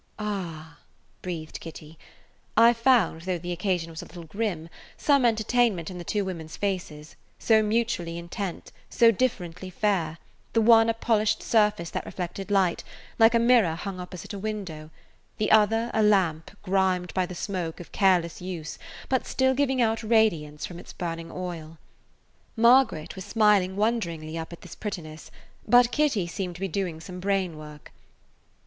"Ah," breathed Kitty. I found, though the occasion was a little grim, some entertainment in the two women's faces, so mutually intent, so differently fair, the one a polished surface that reflected light, like a mirror hung opposite a window, the other a lamp grimed by the smoke of careless use, but still giving out radiance from [Page 151] its burning oil. Margaret was smiling wonderingly up at this prettiness, but Kitty seemed to be doing some brain work.